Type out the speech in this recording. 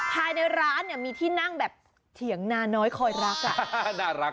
ภายในร้านมีที่นั่งแบบเฉียงนาน้อยคอยรัก